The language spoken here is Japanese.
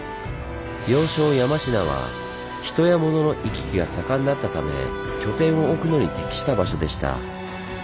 要衝・山科は人や物の行き来が盛んだったため拠点を置くのに適した場所でした。